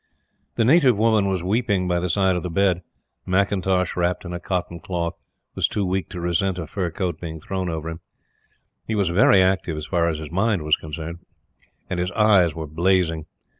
The native woman was weeping by the side of the bed. McIntosh, wrapped in a cotton cloth, was too weak to resent a fur coat being thrown over him. He was very active as far as his mind was concerned, and his eyes were blazing.